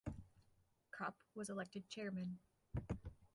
Copp was elected chairman.